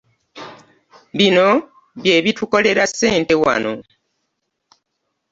Bino bye bitukolera ssente wano.